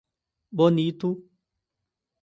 Bonito